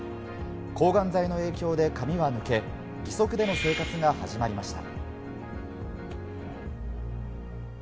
抗がん剤の影響で髪は抜け、義足での生活が始まりました。